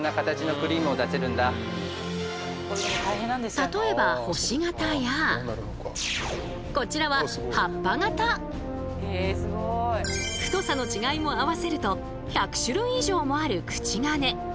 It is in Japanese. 例えばこちらは太さの違いも合わせると１００種類以上もある口金。